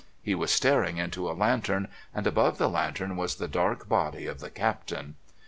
He was staring into a lantern, and above the lantern was the dark body of the Captain.